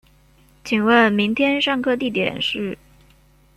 请问明天上课地点是